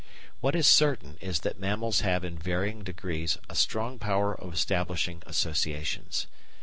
What is certain is that mammals have in varying degrees a strong power of establishing associations.